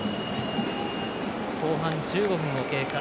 後半１５分を経過。